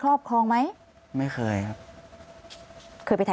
ก็คลิปออกมาแบบนี้เลยว่ามีอาวุธปืนแน่นอน